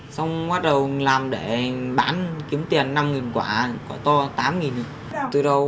xong bắt đầu làm để bán kiếm tiền năm quả quả to tám